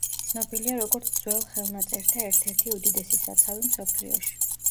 ცნობილია როგორც ძველ ხელნაწერთა ერთ-ერთი უდიდესი საცავი მსოფლიოში.